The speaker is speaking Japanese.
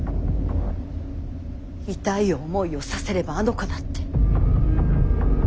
痛い思いをさせればあの子だって。